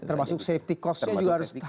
termasuk safety costnya juga harus dihargai